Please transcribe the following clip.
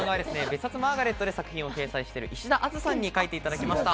『別冊マーガレット』で作品を掲載している石田アズさんに描いていただきました。